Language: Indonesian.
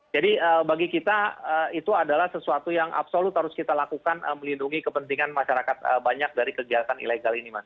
jadi bagi kita itu adalah sesuatu yang absolut harus kita lakukan melindungi kepentingan masyarakat banyak dari kegiatan ilegal ini